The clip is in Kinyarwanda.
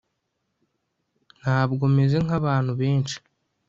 ntabwo meze nkabantu benshi